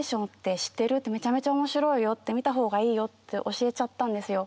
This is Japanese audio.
めちゃめちゃ面白いよって見た方がいいよって教えちゃったんですよ。